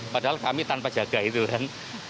padahal kami tanpa jaga itu kan